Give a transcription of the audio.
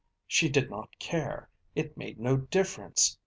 She did not care. It made no difference.